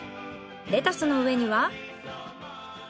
レタスの上には。